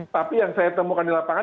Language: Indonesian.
tapi yang saya temukan di lapangan